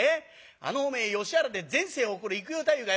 あのおめえ吉原で全盛を誇る幾代太夫がよ